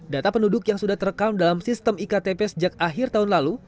data penduduk yang sudah terekam dalam sistem iktp sejak akhir tahun lalu